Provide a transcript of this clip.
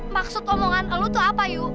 maksud omongan lo itu apa yuk